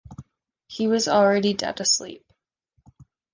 He was already dead asleep.